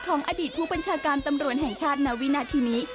อดีตผู้บัญชาการตำรวจแห่งชาติณวินาทีนี้